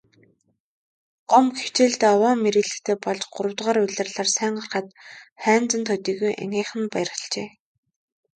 Гомбо хичээлдээ овоо мэрийлттэй болж гуравдугаар улирлаар сайн гарахад Хайнзан төдийгүй ангийнхан нь баярлажээ.